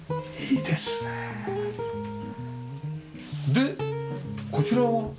でこちらは？